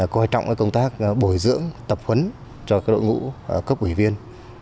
coi trọng công tác bồi dưỡng tập huấn cho đội ngũ cấp ủy viên